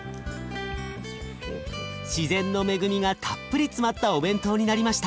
自然の恵みがたっぷり詰まったお弁当になりました。